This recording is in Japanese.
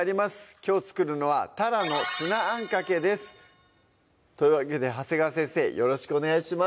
きょう作るのは「たらのツナあんかけ」ですというわけで長谷川先生よろしくお願いします